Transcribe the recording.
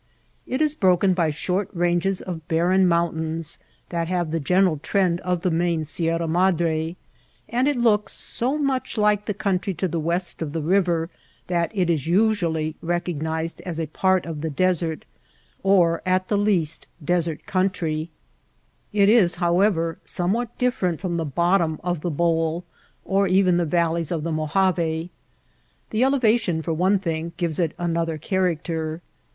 It is broken by 194 MESAS AND FOOT HILLS 195 short ranges of barren mountains^ that have the general trend of the main Sierra Madre^ and it looks so much like the country to the west of the river that it is usually recognized as a part of the desert, or at the least ^^ desert country/^ It is, however, somewhat different from the Bottom of the Bowl or even the valleys of the Mojave. The elevation, for one thing, gives it another character.